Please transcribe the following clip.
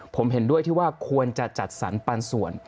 ผมเห็นด้วยที่ว่าควรจะจัดสรรปันส่วน